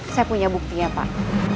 saya punya buktinya pak